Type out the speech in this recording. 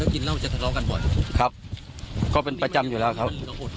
ครับก็เป็นประจำอยู่แล้วครับ